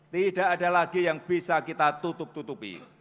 tidak ada lagi yang bisa kita tutup tutupi